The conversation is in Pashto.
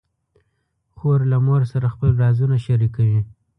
خور له مور سره خپل رازونه شریکوي.